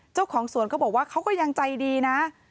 เจ้าของสวนก็บอกว่าเขาก็ยังใจดีนะ